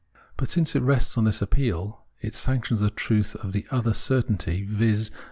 But since it rests on this appeal, it sanctions the truth of the other certainty, viz.